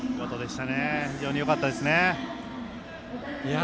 非常によかったですね。